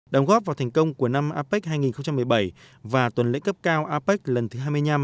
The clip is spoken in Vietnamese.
đóng góp vào thành công của năm apec hai nghìn một mươi bảy và tuần lễ cấp cao apec lần thứ hai mươi năm